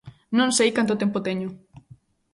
Non sei canto tempo teño.